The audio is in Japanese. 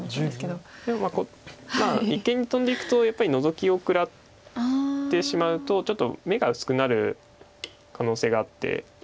でもまあ一間にトンでいくとやっぱりノゾキを食らってしまうとちょっと眼が薄くなる可能性があって。